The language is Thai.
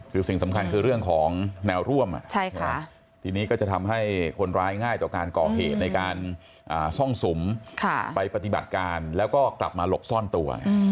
คือสิ่งสำคัญคือเรื่องของแนวร่วมทีนี้ก็จะทำให้คนร้ายง่ายต่อการก่อเหตุในการซ่องสุมไปปฏิบัติการแล้วก็กลับมาหลบซ่อนตัว